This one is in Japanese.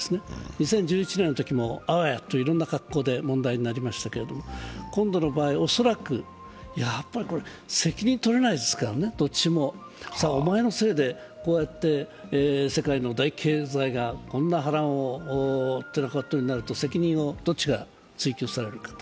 ２０１１年のときもあわやという格好でいろいろ問題になりましたけど、今度の場合、恐らくやっぱり責任取れないですからね、どっちも、お前のせいでこうやって世界の大経済がこんな波乱をってなことになると責任をどっちが追及されるか。